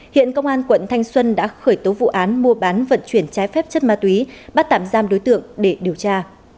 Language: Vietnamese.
hiện công an quận thanh xuân đã khởi tố vụ án mua bán vận chuyển trái phép chất ma túy bắt tạm giam đối tượng để điều tra